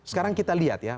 sekarang kita lihat ya